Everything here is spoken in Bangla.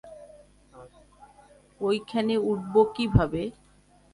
ঐখানে উঠব কীভাবে?